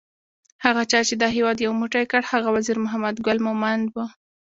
هغه چا چې دا هیواد یو موټی کړ هغه وزیر محمد ګل مومند وو